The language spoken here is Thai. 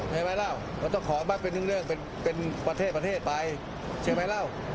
เห็นไหมแล้วเราต้องขอบ้านเป็นเรื่องเป็นประเทศไปเสียไหมแล้ว